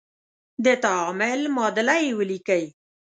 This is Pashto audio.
د تعامل معادله یې ولیکئ.